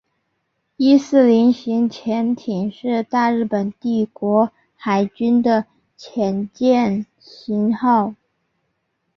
伊四零型潜艇是大日本帝国海军的潜舰型号。